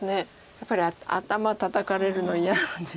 やっぱり頭タタかれるのは嫌なんです。